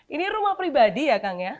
ini rumah pribadi ya kang ya